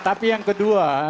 tapi yang kedua